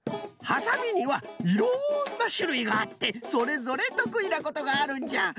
ハサミにはいろんなしゅるいがあってそれぞれとくいなことがあるんじゃ。